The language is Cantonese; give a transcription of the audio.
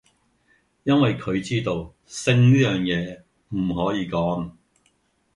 因為佢知道，性呢樣野，唔可以講!